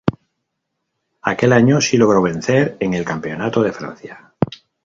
Aquel año sí logró vencer en el Campeonato de Francia.